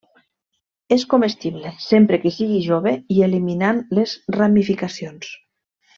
És comestible, sempre que sigui jove i eliminant les ramificacions.